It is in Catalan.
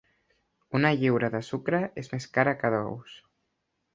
Una lliura de sucre és més cara que d'ous.